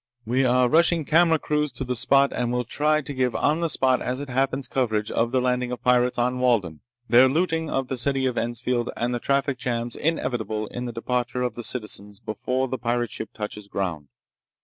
We are rushing camera crews to the spot and will try to give on the spot as it happens coverage of the landing of pirates on Walden, their looting of the city of Ensfield, and the traffic jams inevitable in the departure of the citizens before the pirate ship touches ground.